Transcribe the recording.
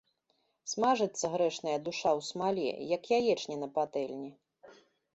Смажыцца грэшная душа ў смале, як яечня на патэльні.